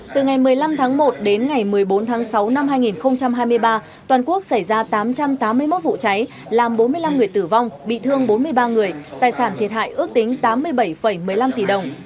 từ ngày một mươi năm tháng một đến ngày một mươi bốn tháng sáu năm hai nghìn hai mươi ba toàn quốc xảy ra tám trăm tám mươi một vụ cháy làm bốn mươi năm người tử vong bị thương bốn mươi ba người tài sản thiệt hại ước tính tám mươi bảy một mươi năm tỷ đồng